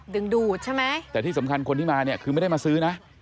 ดึงดูดใช่ไหมแต่ที่สำคัญคนที่มาเนี่ยคือไม่ได้มาซื้อนะ